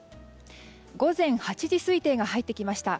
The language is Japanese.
午前８時推定が入ってきました。